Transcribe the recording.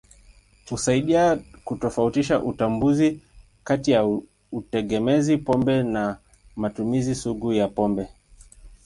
Husaidia kutofautisha utambuzi kati ya utegemezi pombe na matumizi sugu ya pombe.